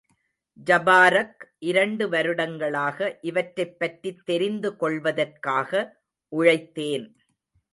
ஜபாரக், இரண்டு வருடங்களாக இவற்றைப்பற்றித் தெரிந்து கொள்வதற்காக உழைத்தேன்.